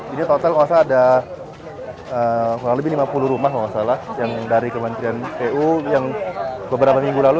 ini total masa ada kurang lebih lima puluh rumah masalah yang dari kementerian pu yang beberapa minggu lalu